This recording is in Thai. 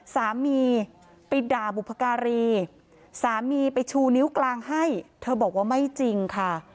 สามีไปด่าบุพการีสามีไปชูนิ้วกลางให้เธอบอกว่าไม่จริงค่ะ